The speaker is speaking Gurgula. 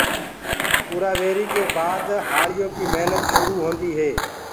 اُرآ ويهري ڪي بآد هآݪيو ڪي مهنت شرو هوند هي